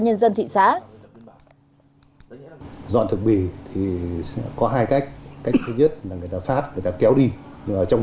nhân dân thị xã dọn thực bì thì có hai cách thứ nhất là người ta phát người ta kéo đi trong